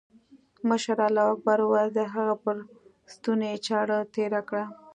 مشر الله اکبر وويل د هغه پر ستوني يې چاړه تېره کړه.